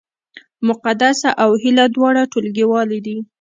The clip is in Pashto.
مقدسه او هیله دواړه ټولګیوالې دي